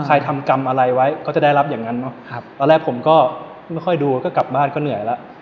ทำกรรมอะไรไว้ก็จะได้รับอย่างนั้นเนอะครับตอนแรกผมก็ไม่ค่อยดูก็กลับบ้านก็เหนื่อยแล้ว